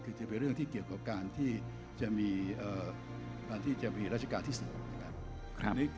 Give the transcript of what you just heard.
ก็คือจะเป็นเรื่องที่เกี่ยวกับการที่จะมีราชกาลที่สุด